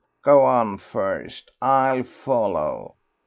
Go on first; I'll follow."